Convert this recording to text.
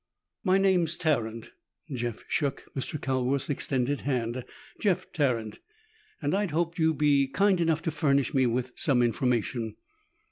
"My name's Tarrant," Jeff shook Mr. Calworth's extended hand, "Jeff Tarrant, and I'd hoped you'd be kind enough to furnish me with some information."